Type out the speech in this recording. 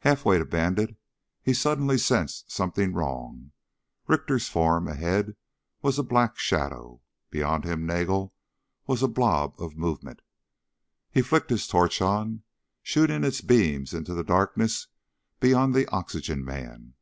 Halfway to Bandit he suddenly sensed something wrong. Richter's form, ahead, was a black shadow. Beyond him, Nagel was a blob of movement. He flicked his torch on, shooting its beams into the darkness beyond the oxygen man.